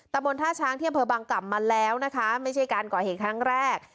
บนท่าช้างที่อำเภอบางกล่ำมาแล้วนะคะไม่ใช่การก่อเหตุครั้งแรก